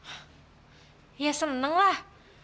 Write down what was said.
hah ya seneng lah